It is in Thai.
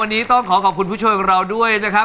วันนี้ต้องขอขอบคุณผู้ช่วยของเราด้วยนะครับ